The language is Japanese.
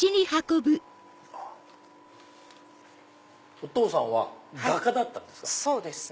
お父さんは画家だったんですか？